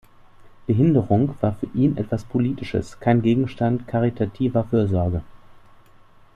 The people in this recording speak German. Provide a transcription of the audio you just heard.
Behinderung war für ihn etwas Politisches, kein Gegenstand karitativer Fürsorge.